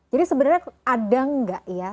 jadi sebenarnya ada gak ya